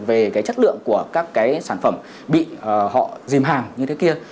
về chất lượng của các sản phẩm bị họ dìm hàng như thế kia